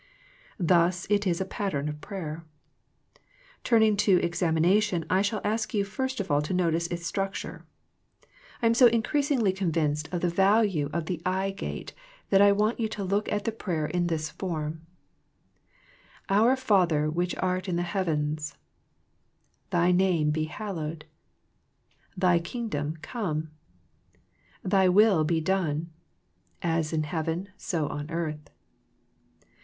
Thus it is a pattern prayer. Turning to examination I shall ask you first of all to notice its structure. I am so increasingly THE PLANE OF PEAYEE 67 convinced of the value of eye gate that I want you. to look at the prayer in this form — Our Father which art in the heavens, Thy name be hallowed, Thy Kingdom come, Thy will be done as in heaven so on earth.